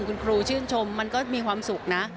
คุณครูชื่นชมมันก็มีความสุขนะ